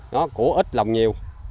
nó của ít lòng nhiều